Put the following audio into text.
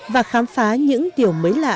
và khám phá những điều mới lạ